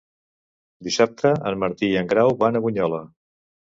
Dissabte en Martí i en Grau van a Bunyola.